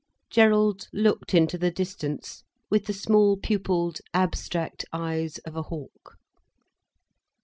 Gerald looked into the distance, with the small pupilled, abstract eyes of a hawk.